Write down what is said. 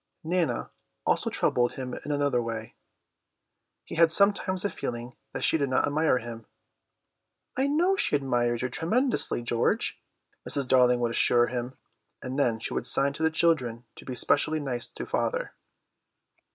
Nana also troubled him in another way. He had sometimes a feeling that she did not admire him. "I know she admires you tremendously, George," Mrs. Darling would assure him, and then she would sign to the children to be specially nice to father.